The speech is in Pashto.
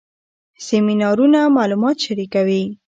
سیمینارونه معلومات شریکوي